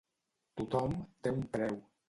Tothom té un preu.